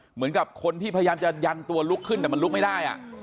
เหมือนกับคนที่พยายามจะยันตัวลุกขึ้นแต่มันลุกไม่ได้